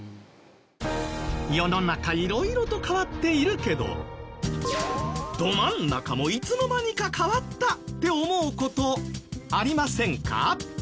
世の中いろいろと変わっているけどど真ん中もいつの間にか変わったって思う事ありませんか？